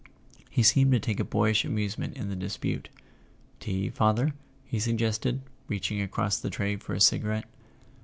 He seemed to take a boy¬ ish amusement in the dispute. "Tea, father?" he sug¬ gested, reaching across the tray for a cigarette.